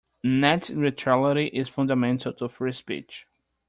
Net neutrality is fundamental to free speech.